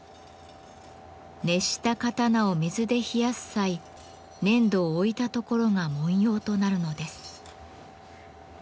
熱した刀を水で冷やす際粘土を置いた所が文様となるのです。